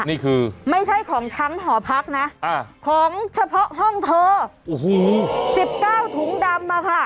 นี่คือไม่ใช่ของทั้งหอพักนะของเฉพาะห้องเธอโอ้โห๑๙ถุงดำมาค่ะ